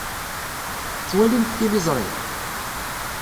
Tettwalimt tiliẓri?